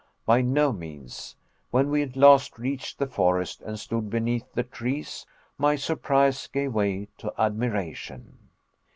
By no means. When we at last reached the forest, and stood beneath the trees, my surprise gave way to admiration.